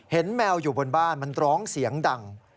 แมวอยู่บนบ้านมันร้องเสียงดัง